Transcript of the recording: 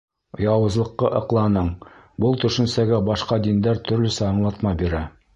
Яуызлыҡҡа ыҡланың, Был төшөнсәгә башҡа диндәр төрлөсә аңлатма бирә.